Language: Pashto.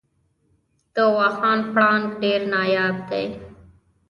د واخان پړانګ ډیر نایاب دی